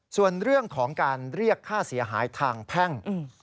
ส่วนเรื่องของการเรียกค่าเสียหายทางแพ่ง